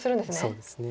そうですね